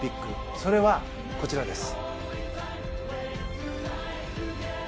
それは、こちらです。